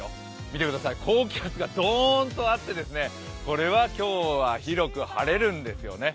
見てください、高気圧がドーンとあってこれは、今日は広く晴れるんですよね。